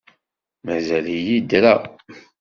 Mazal-iyi ddreɣ.